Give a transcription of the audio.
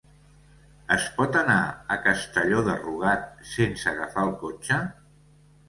Es pot anar a Castelló de Rugat sense agafar el cotxe?